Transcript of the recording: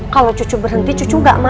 kalau cucu berhenti cucu gak makan